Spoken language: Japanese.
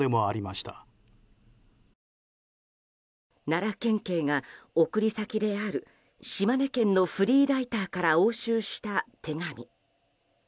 奈良県警が送り先である島根県のフリーライターから押収した手紙。